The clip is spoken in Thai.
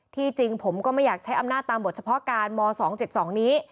จริงผมก็ไม่อยากใช้อำนาจตามบทเฉพาะการม๒๗๒นี้